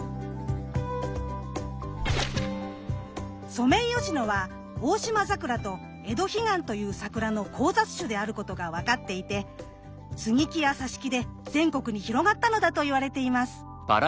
ソメイヨシノはオオシマザクラとエドヒガンというサクラの交雑種であることが分かっていて接木や挿木で全国に広がったのだと言われています。